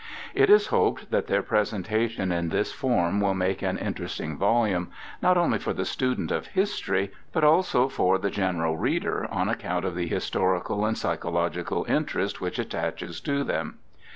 It is hoped that their presentation in this form will make an interesting volume, not only for the student of history, but also for the general reader, on account of the historical and psychological interest which attaches to them.